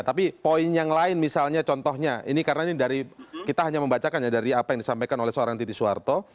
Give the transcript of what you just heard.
tapi poin yang lain misalnya contohnya ini karena ini dari kita hanya membacakan ya dari apa yang disampaikan oleh seorang titi soeharto